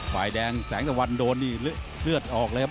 ฝ่ายแดงแสงตะวันโดนนี่เลือดออกเลยครับ